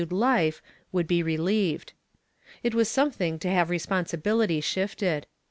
I life wo ;) 1 he relieved. It was something to h.iv > r > ;;>):i;!h:iity shifted.